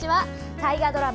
大河ドラマ